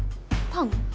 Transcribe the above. パン。